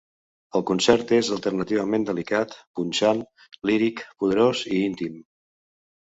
El concert és alternativament delicat, punxant, líric, poderós i íntim.